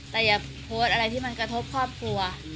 แต่อย่าโพสต์อะไรที่มันกระทบครอบครัว